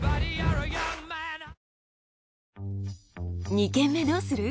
「二軒目どうする？」